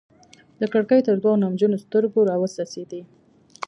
د کړکۍ تر دوو نمجنو ستوګو راوڅڅيدې